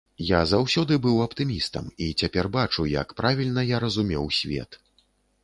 Я заўсёды быў аптымістам і цяпер бачу, як правільна я разумеў свет.